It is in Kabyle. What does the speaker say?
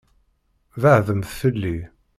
Beɛɛdemt fell-i.